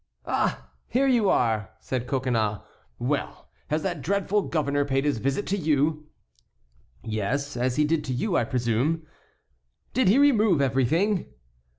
"Ah! here you are!" said Coconnas. "Well, has that dreadful governor paid his visit to you?" "Yes, as he did to you, I presume?" "Did he remove everything?"